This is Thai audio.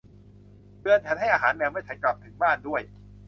เตือนฉันให้อาหารแมวเมื่อฉันกลับถึงบ้านด้วย